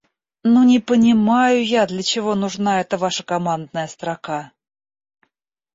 Ну не понимаю я для чего нужна эта ваша командная строка!